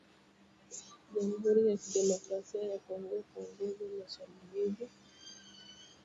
jamhuri ya kidemokrasia ya Kongo Huongoza mashambulizi